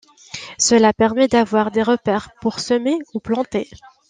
Cela permet d'avoir des repères pour semer ou planter.